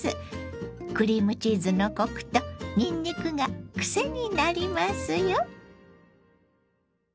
クリームチーズのコクとにんにくが癖になりますよ。